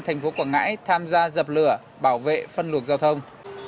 thành phố quảng ngãi tham gia dập lửa bảo vệ phân luồng giao thông